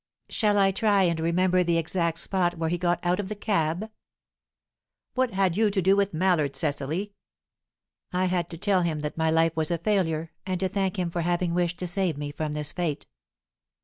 Shall I try and remember the exact spot where he got out of the cab?" "What had you to do with Mallard, Cecily?" "I had to tell him that my life was a failure, and to thank him for having wished to save me from this fate."